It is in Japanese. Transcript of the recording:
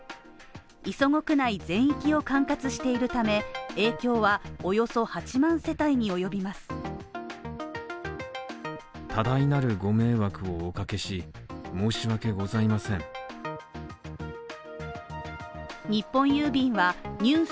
磯子区内全域を管轄しているため影響はおよそ８万世帯に及びます日本郵便はＮＥＷＳ